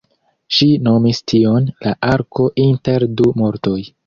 Ŝi nomis tion "la arko inter du mortoj".